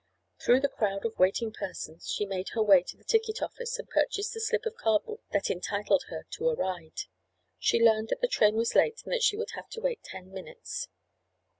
Through the crowd of waiting persons she made her way to the ticket office and purchased the slip of cardboard that entitled her to a ride. She learned that the train was late and that she would have to wait ten minutes.